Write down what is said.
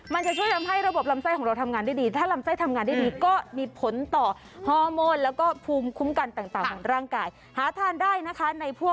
มันจะช่วยทำให้ระบบลำไส้ของเราทำงานได้ดี